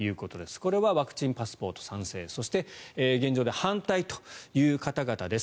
これはワクチンパスポート賛成そして現状で反対という方々です。